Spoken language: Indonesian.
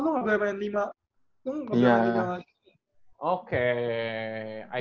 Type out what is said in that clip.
lu gak boleh main lima